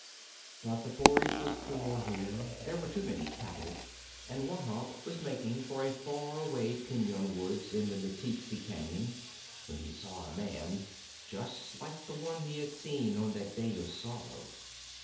But the forage was poor here; there were too many cattle; and Wahb was making for a far away piñon woods in the Meteetsee Cañon when he saw a man, just like the one he had seen on that day of sorrow.